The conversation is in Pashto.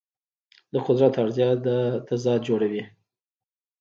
د قدرت اړتیا دا تضاد جوړوي.